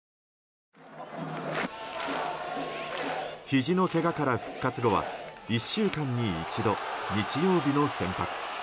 ひじのけがから復活後は１週間に一度、日曜日の先発。